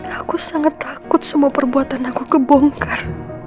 aku sangat takut semua perbuatan aku kebongkar